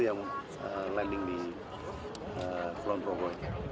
yang landing di kulonprogo